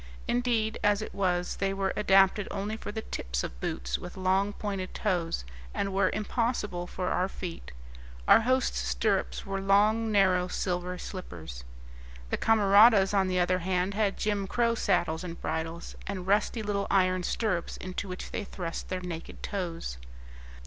Indeed, as it was, they were adapted only for the tips of boots with long, pointed toes, and were impossible for our feet; our hosts' stirrups were long, narrow silver slippers. The camaradas, on the other hand, had jim crow saddles and bridles, and rusty little iron stirrups into which they thrust their naked toes.